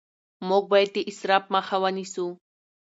موږ باید د اسراف مخه ونیسو